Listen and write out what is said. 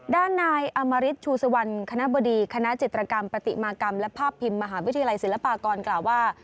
ด้านนายอมริตชูสุวรรณคณะบดีคณะจิตรกรรมปฏิมากรรมและภาพพิมพ์มหาวิทยาลัยศิลปากรกล่าวว่า